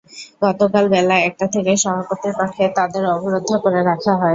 গতকাল বেলা একটা থেকে সভাপতির কক্ষে তাঁদের অবরুদ্ধ করে রাখা হয়।